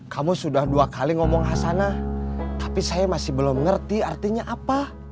kamu sudah dua kali ngomong hasana tapi saya masih belum ngerti artinya apa